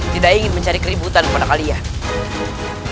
tidak ingin mencari keributan kepada kalian